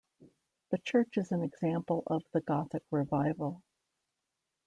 The church is an example of the Gothic revival.